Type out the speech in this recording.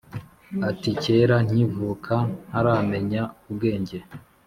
Ati "kera nkivuka Ntaramenya ubwenge